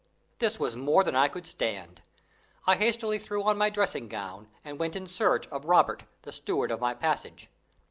This was more than I could stand. I hastily threw on my dressing gown and went in search of Robert, the steward of my passage.